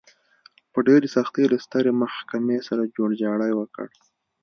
په ډېرې سختۍ له سترې محکمې سره جوړجاړی وکړ.